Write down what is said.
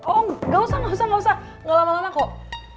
oh nggak usah nggak usah nggak usah nggak lama lama kok